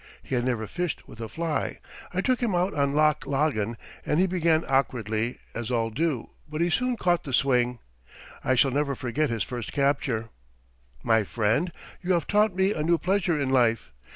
He had never fished with a fly. I took him out on Loch Laggan and he began awkwardly, as all do, but he soon caught the swing. I shall never forget his first capture: "My friend, you have taught me a new pleasure in life.